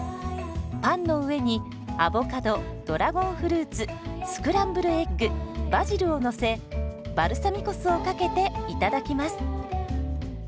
パンの上にアボカドドラゴンフルーツスクランブルエッグバジルをのせバルサミコ酢をかけていただきます。